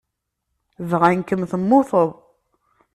Bɣan-kem temmuteḍ.